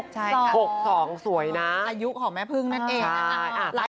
๖๒ปีสวยนะอายุของแม่พึ่งนั่นเองนะคะ